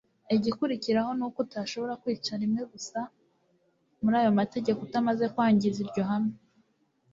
igikurikiraho ni uko utashobora kwica rimwe gusa muri ayo mategeko utamaze kwangiza iryo hame.